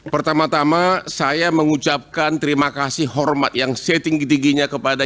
pertama tama saya mengucapkan terima kasih hormat yang setinggi tingginya kepada